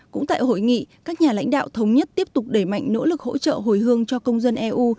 cũng tại hội nghị các nhà lãnh đạo thống nhất tiếp tục đẩy mạnh nỗ lực hỗ trợ hồi hương cho công dân eu